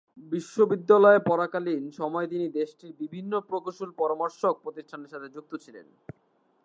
বিশ্ববিদ্যালয়ে পড়াকালীন সময়ে তিনি দেশটির বিভিন্ন প্রকৌশল পরামর্শক প্রতিষ্ঠানের সাথে যুক্ত ছিলেন।